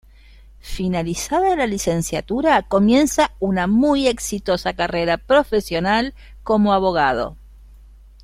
Finalizada la Licenciatura comienza una muy exitosa carrera profesional como abogado.